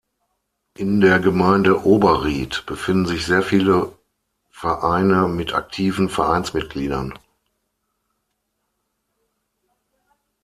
In der Gemeinde Oberriet befinden sich sehr viele Vereine mit aktiven Vereinsmitgliedern.